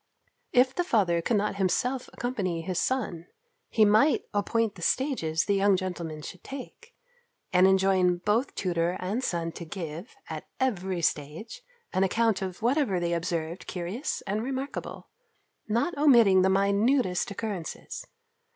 If the father could not himself accompany his son, he might appoint the stages the young gentleman should take, and enjoin both tutor and son to give, at every stage, an account of whatever they observed curious and remarkable, not omitting the minutest occurrences.